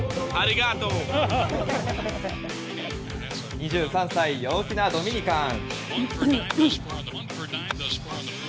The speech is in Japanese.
２３歳陽気なドミニカン。